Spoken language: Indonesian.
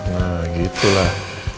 nah gitu lah